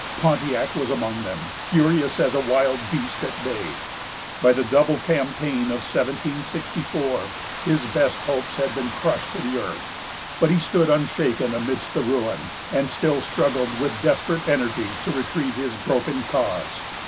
Pontiac was among them, furious as a wild beast at bay. By the double campaign of 1764, his best hopes had been crushed to the earth; but he stood unshaken amidst the ruin, and still struggled with desperate energy to retrieve his broken cause.